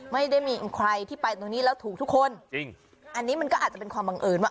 ไม่ได้มีใครที่ไปตรงนี้แล้วถูกทุกคนจริงอันนี้มันก็อาจจะเป็นความบังเอิญว่า